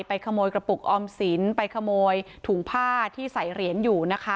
ขโมยกระปุกออมสินไปขโมยถุงผ้าที่ใส่เหรียญอยู่นะคะ